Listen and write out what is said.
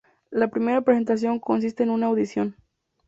La primera presentación consiste en una audición.